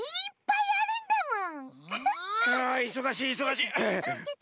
あいそがしいいそがしい。